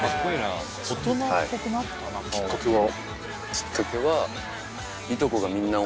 きっかけは。